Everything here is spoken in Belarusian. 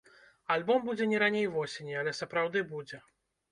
Альбом будзе не раней восені, але сапраўды будзе.